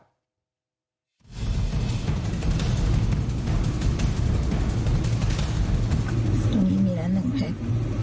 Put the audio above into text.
ตรงนี้มีแล้ว๑แพ็ค